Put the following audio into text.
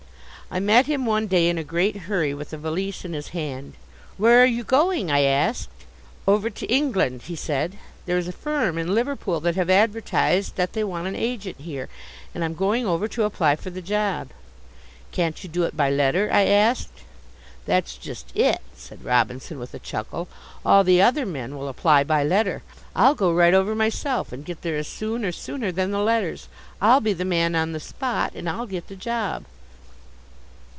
I met him one day in a great hurry, with a valise in his hand. "Where are you going?" I asked. "Over to England," he said. "There is a firm in Liverpool that have advertised that they want an agent here, and I'm going over to apply for the job." "Can't you do it by letter?" I asked. "That's just it," said Robinson, with a chuckle, "all the other men will apply by letter. I'll go right over myself and get there as soon or sooner than the letters. I'll be the man on the spot, and I'll get the job."